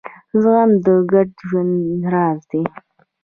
زغم د ګډ ژوند راز دی.